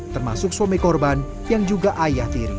termasuk suami korban yang juga ayah tiri